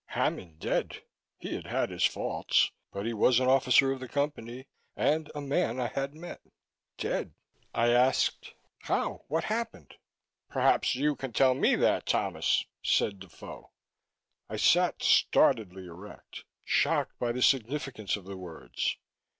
V Hammond dead! He had had his faults, but he was an officer of the Company and a man I had met. Dead! I asked, "How? What happened?" "Perhaps you can tell me that, Thomas," said Defoe. I sat startledly erect, shocked by the significance of the words.